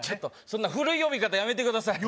そんな古い読み方やめてください